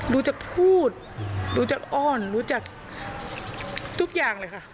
รู้จักพูดรู้จักอ้อนรู้จักทุกอย่างเลยค่ะ